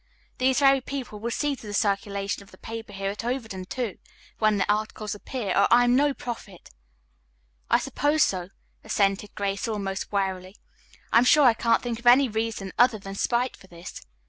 These very people will see to the circulation of the paper here at Overton, too, when the article appears, or I'm no prophet." "I suppose so," assented Grace almost wearily. "I am sure I can't think of any reason other than spite for this."